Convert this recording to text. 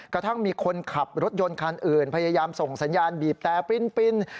กระทั่งมีคนขับรถยนต์คันอื่นพยายามส่งสัญญาณบีบแต่ปริ้น